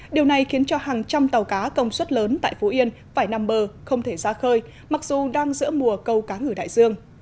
điều này khiến cho hàng trăm tàu cá công suất lớn tại phú yên phải nằm bờ không thể ra khơi mặc dù đang giữa mùa câu cá ngử đại dương